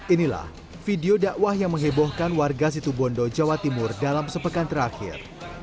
inilah video dakwah yang menghebohkan warga situbondo jawa timur dalam sepekan terakhir